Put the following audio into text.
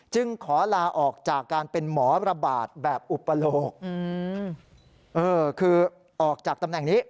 ขอลาออกจากการเป็นหมอระบาดแบบอุปโลกคือออกจากตำแหน่งนี้